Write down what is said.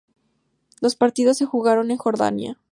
Los partidos se jugaron en Jordania.